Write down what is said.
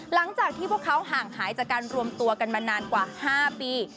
หลังจากที่พวกเขาห่างหายจากการรวมตัวกันมานานกว่า๕ปี